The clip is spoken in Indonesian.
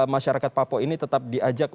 masyarakat papua ini tetap diajak